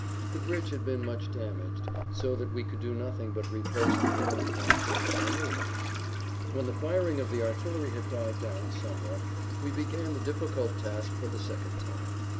The bridge had been much damaged so that we could do nothing but replace the ruined pontoons by new ones. When the firing of the artillery had died down somewhat we began the difficult task for the second time.